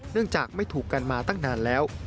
จากไม่ถูกกันมาตั้งนานแล้ว